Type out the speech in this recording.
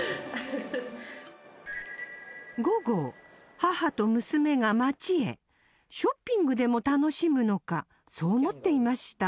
母と娘が街へショッピングでも楽しむのかそう思っていました